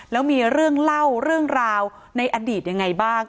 แล้วมีเรื่องเล่าเรื่องราวในอดีตยังไงบ้าง